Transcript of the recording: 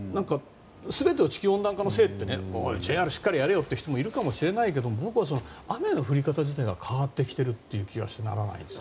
全て地球温暖化のせいとかＪＲしっかりやれよって人もいるけど雨の降り方が変わってきている気がしてならないです。